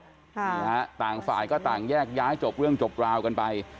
นี่ฮะต่างฝ่ายก็ต่างแยกย้ายจบเรื่องจบราวกันไป